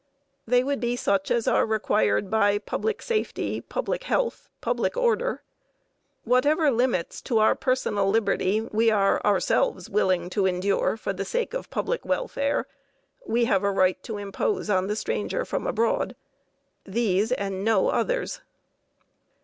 They would be such as are required by public safety, public health, public order. Whatever limits to our personal liberty we are ourselves willing to endure for the sake of the public welfare, we have a right to impose on the stranger from abroad; these, and no others.